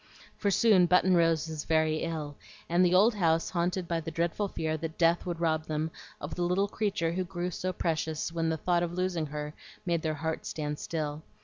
For soon Button Rose was very ill, and the old house haunted by the dreadful fear that death would rob them of the little creature who grew so precious when the thought of losing her made their hearts stand still.